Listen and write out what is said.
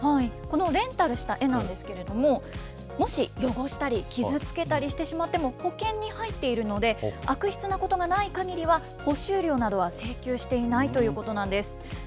このレンタルした絵なんですけど、もし汚したり、傷つけたりしてしまっても、保険に入っているので、悪質なことがないかぎりは、補修料などは請求していないということなんです。